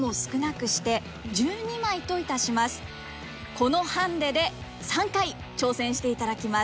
このハンデで３回挑戦していただきます。